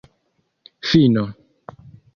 fino